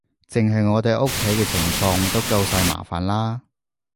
淨係我哋屋企嘅情況都夠晒麻煩喇